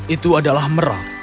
itu adalah merah